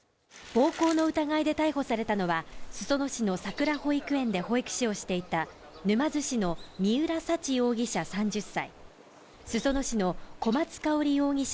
暴行の疑いで逮捕されたのは裾野市のさくら保育園で保育士をしていた沼津市の三浦沙知容疑者３０歳、裾野市の小松香織容疑者